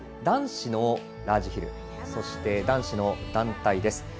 男子のラージヒルそして、男子の団体です。